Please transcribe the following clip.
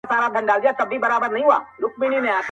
یوه ورځ گوربت زمري ته ویل وروره !.